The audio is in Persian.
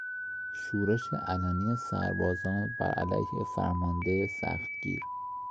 شورش علنی سربازان بر علیه فرمانده سختگیر